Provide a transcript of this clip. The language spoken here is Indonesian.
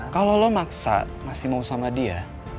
kalau lo maksa masih mau sama dia